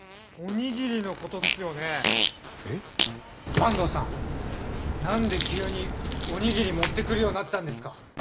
坂東さん何で急におにぎり持ってくるようになったんですか？